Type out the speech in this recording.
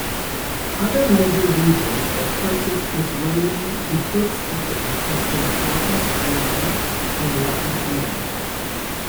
Other major regions that purchase Israeli defense equipment include Southeast Asia and Latin America.